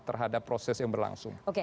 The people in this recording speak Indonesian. terhadap proses yang berlangsung